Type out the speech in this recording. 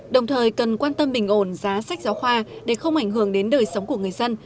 đồng thời cần quan tâm bình ổn giá sách giáo khoa để không ảnh hưởng đến đời sống của người dân